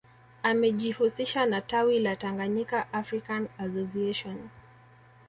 Amejihusisha na tawi la Tanganyika African Association